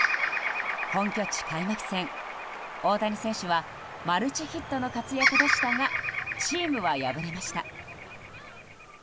本拠地開幕戦、大谷選手はマルチヒットの活躍でしたがチームは敗れました。